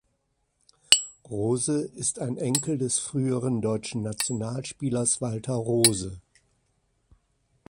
Rose ist ein Enkel des früheren deutschen Nationalspielers Walter Rose.